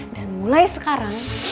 dan mulai sekarang